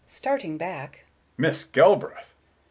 Starting back, "Miss Galbraith!"